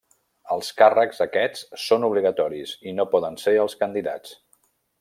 Els càrrecs aquests són obligatoris i no poden ser els candidats.